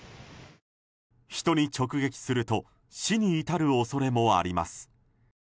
人に直撃すると死に至る恐れもあります。